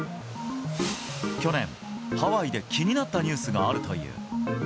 去年、ハワイで気になったニュースがあるという。